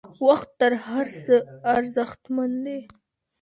وخت تر هر څه ارزښتمن دی.